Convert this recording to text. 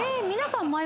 皆さん